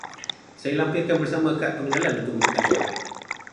Saya lampirkan bersama kad pengenalan untuk rujukan Tuan.